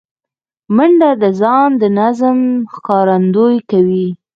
منډه د ځان د نظم ښکارندویي کوي